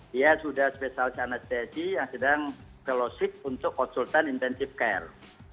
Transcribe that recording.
dia sudah spesialis anestesi yang sedang kelosif untuk konsultan intensive care